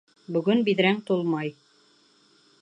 Бөгөн биҙрәң тулмай.